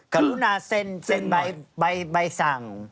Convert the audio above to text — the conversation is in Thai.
กำรุหนาเซ็นใบสั่ง